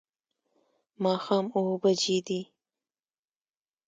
ماښام اووه بجې دي